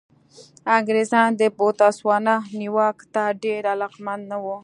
انګرېزان د بوتسوانا نیواک ته ډېر علاقمند نه وو.